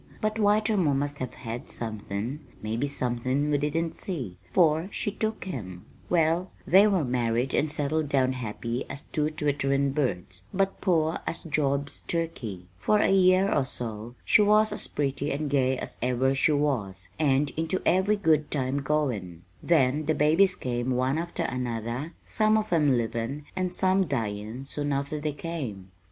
But Whitermore must have had somethin' maybe somethin' we didn't see, for she took him. "Well, they married and settled down happy as two twitterin' birds, but poor as Job's turkey. For a year or so she was as pretty and gay as ever she was and into every good time goin'; then the babies came, one after another, some of 'em livin' and some dyin' soon after they came.